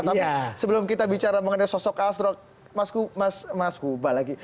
tapi sebelum kita bicara mengenai sosok castro mas huba lagi